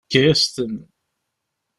Yefka-asen-ten.